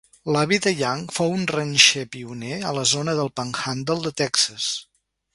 L'avi de Young fou un ranxer pioner a la zona del Panhandle de Texas.